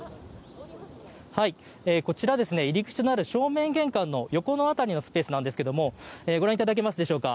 こちら入り口のある正面玄関の横の辺りのスペースなんですけどもご覧いただけますでしょうか